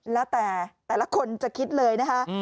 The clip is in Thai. แล้วแต่แต่ละคนจะคิดเลยนะคะ